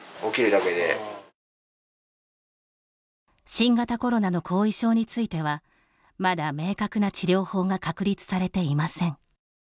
新型コロナの後遺症についてはまだ明確な治療法が確立されていません。